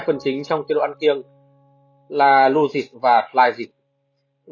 có hai phần chính trong chế độ ăn kiêng là lô dịch và fly dịch